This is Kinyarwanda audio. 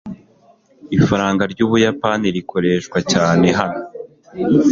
ifaranga ry'ubuyapani rikoreshwa cyane hano